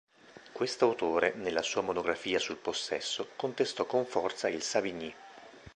Questo autore, nella sua monografia sul possesso, contestò con forza il Savigny.